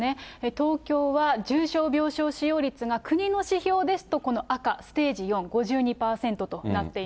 東京は、重症病床使用率が国の指標ですと、この赤、ステージ４、５２％となっています。